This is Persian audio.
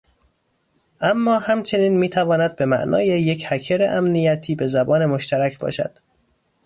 اما همچنین میتواند به معنای یک هکر امنیتی به زبان مشترک باشد.